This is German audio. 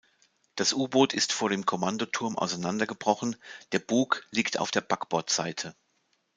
Das U-Boot ist vor dem Kommandoturm auseinandergebrochen, der Bug liegt auf der Backbordseite.